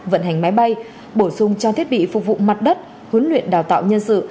vận hành máy bay bổ sung trang thiết bị phục vụ mặt đất huấn luyện đào tạo nhân sự